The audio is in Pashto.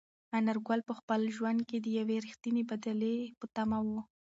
انارګل په خپل ژوند کې د یوې رښتینې بدلې په تمه و.